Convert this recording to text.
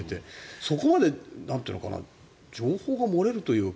そこまで情報が漏れるというか。